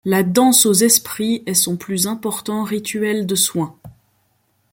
La danse aux esprits est son plus important rituel de soins.